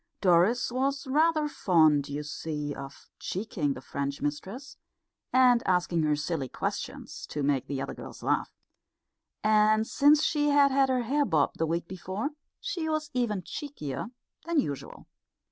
Doris was rather fond, you see, of cheeking the French mistress, and asking her silly questions to make the other girls laugh; and since she had had her hair bobbed the week before, she was even cheekier than usual.